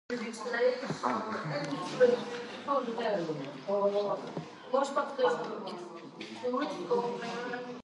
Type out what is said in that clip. რავი ვარმა საყოველთაოდ მიჩნეულია, როგორც ინდოეთის ხელოვნების ისტორიაში ერთ-ერთი უდიდესი მხატვარი.